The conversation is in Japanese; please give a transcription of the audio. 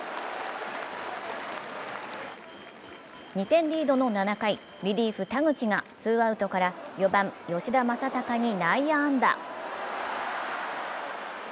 ２点リードの７回、リリーフ・田口がツーアウトから４番・吉田正尚に内野安打。